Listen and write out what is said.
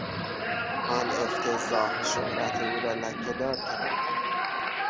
آن افتضاح شهرت او را لکهدار کرد.